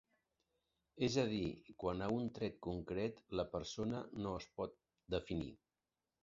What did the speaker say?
És a dir, quant a un tret concret, la persona no es pot definir.